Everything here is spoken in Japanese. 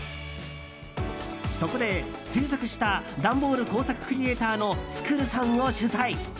そこで、制作した段ボール工作クリエイターのつくるさんを取材。